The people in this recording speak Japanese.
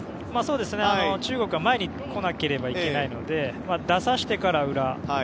そうですね、中国は前に来なければいけないので出させてから裏。